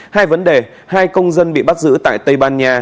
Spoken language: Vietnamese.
hai vấn đề hai công dân bị bắt giữ tại tây ban nha